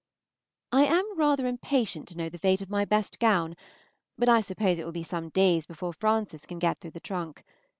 I am rather impatient to know the fate of my best gown, but I suppose it will be some days before Frances can get through the trunk.